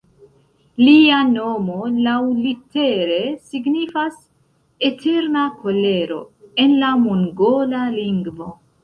Lia nomo laŭlitere signifas "Eterna Kolero" en la mongola lingvo.